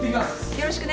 よろしくね。